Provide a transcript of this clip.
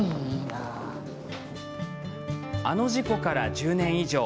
あの事故から１０年以上。